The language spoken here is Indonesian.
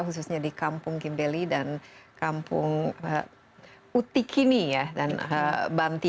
khususnya di kampung kibeli dan kampung utikini dan banti